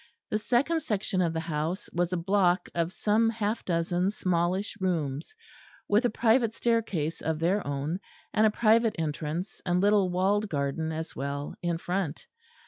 The second section of the house was a block of some half dozen smallish rooms, with a private staircase of their own, and a private entrance and little walled garden as well in front.